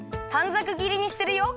ざくぎりにするよ。